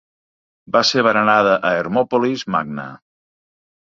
Va ser venerada a Hermòpolis Magna.